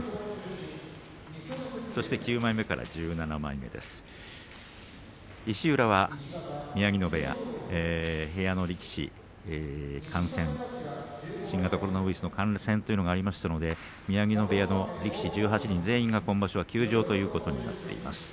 そして９枚目から１７枚目石浦は宮城野部屋の力士が感染新型コロナウイルスの感染というのがありましたので宮城野部屋の力士１８人全員が今場所休場ということになっています。